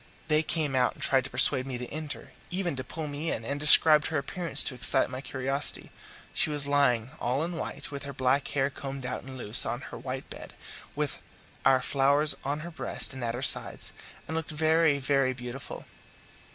They came out and tried to persuade me to enter, even to pull me in, and described her appearance to excite my curiosity. She was lying all in white, with her black hair combed out and loose, on her white bed, with our flowers on her breast and at her sides, and looked very, very beautiful.